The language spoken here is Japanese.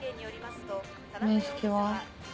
面識は？